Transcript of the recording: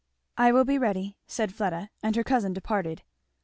"I will be ready," said Fleda; and her cousin departed.